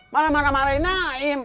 malah marah marahi naim